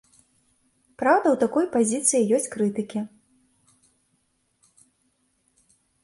Праўда, у такой пазіцыі ёсць крытыкі.